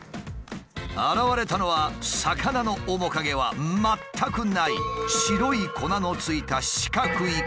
現れたのは魚の面影は全くない白い粉の付いた四角い塊。